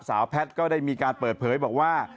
แพทย์ก็ได้มีการเปิดเผยบอกว่า